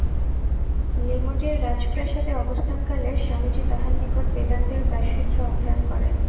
লিমডির রাজপ্রাসাদে অবস্থানকালে স্বামীজী তাঁহার নিকট বেদান্তের ব্যাসসূত্র অধ্যয়ন করেন।